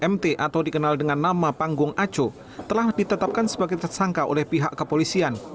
mt atau dikenal dengan nama panggung aco telah ditetapkan sebagai tersangka oleh pihak kepolisian